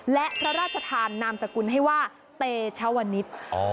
และพระราชทานนามสกุลให้ว่าเตชวนิษฐ์